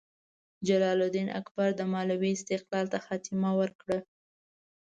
جلال الدین اکبر د مالوې استقلال ته خاتمه ورکړه.